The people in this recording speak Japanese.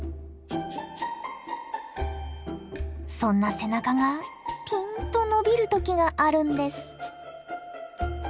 そんな背中がピンと伸びる時があるんです。